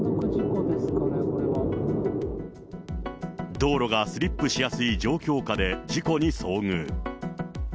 道路がスリップしやすい状況下で事故に遭遇。